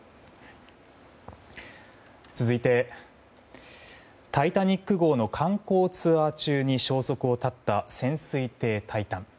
続いて「タイタニック号」観光ツアー中に消息を絶った潜水艇「タイタン」。